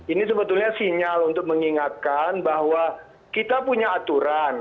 ini sebetulnya sinyal untuk mengingatkan bahwa kita punya aturan